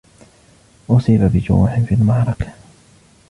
أُصيب بجروح في المعركة.